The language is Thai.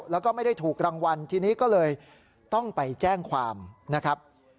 แล้วก็ไม่ได้ถูกรางวัลทีนี้ก็เลยต้องไปแจ้งความนะครับ